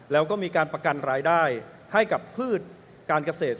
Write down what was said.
แล้วก็มีการประกันรายได้ให้กับพืชการเกษตร